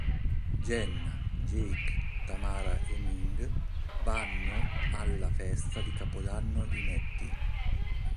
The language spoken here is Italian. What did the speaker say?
Jenna, Jake, Tamara e Ming vanno alla festa di Capodanno di Matty.